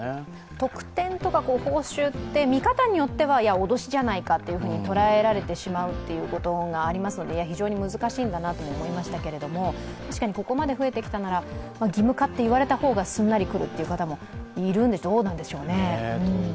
特典とか報酬って見方によっては脅しじゃないかと捉えられてしまうところがあるので非常に難しいんだなと思いましたけど、確かにここまで増えてきたなら義務化と言われたほうがすんなり来るという方もいるんでしょうか、どうなんでしょうね。